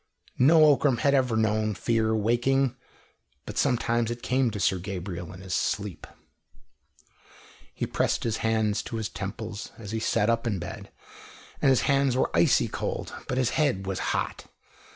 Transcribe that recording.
No Ockram had ever known fear waking, but sometimes it came to Sir Gabriel in his sleep. He pressed his hands to his temples as he sat up in bed, and his hands were icy cold, but his head was hot.